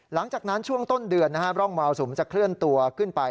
หลังจากนั้นช่วงต้นเดือนร่องมรสุมจะเคลื่อนตัวขึ้นไป